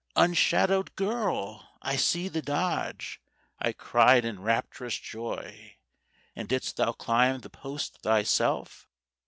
'" "Unshadowed girl! I see the dodge," I cried in rapturous joy; "And didst thou climb the post thyself?"